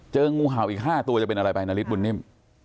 งูเห่าอีก๕ตัวจะเป็นอะไรไปนาริสบุญนิ่ม